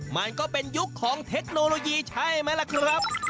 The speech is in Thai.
มันก็เป็นยุคของเทคโนโลยีใช่ไหมล่ะครับ